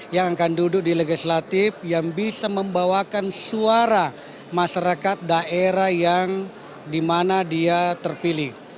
yang akan duduk di legislatif yang bisa membawakan suara masyarakat daerah yang dimana dia terpilih